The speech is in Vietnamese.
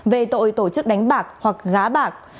về tội tổ chức đánh bạc hoặc gá bạc